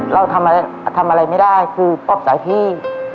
เราทำอะไรไม่ได้คือปลอบใจพี่